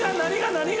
何が？